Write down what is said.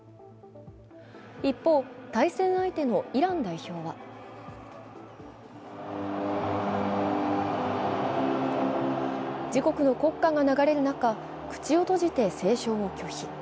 一方、対戦相手のイラン代表は自国の国歌が長れる中、口を閉じて斉唱を拒否。